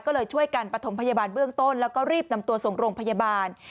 ก็เลยช่วยกันประถมพยาบาลเบื้องต้นแล้วก็รีบนำตัวส่งโรงพยาบาล